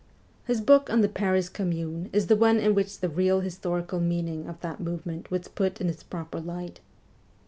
His book on the Paris Commune is the one in which the real historical meaning of that movement was put in its proper light.